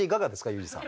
ユージさん。